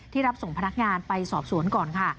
รับส่งพนักงานไปสอบสวนก่อนค่ะ